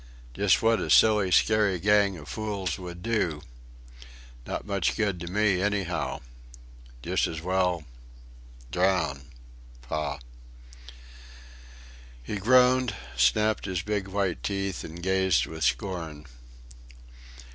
Just what a silly, scary gang of fools would do.... Not much good to me anyhow.... Just as well... drown.... Pah." He groaned, snapped his big white teeth, and gazed with scorn.